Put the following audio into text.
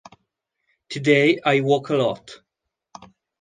Today I walk a lot.